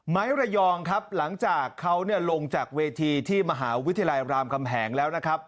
ระยองครับหลังจากเขาลงจากเวทีที่มหาวิทยาลัยรามคำแหงแล้วนะครับ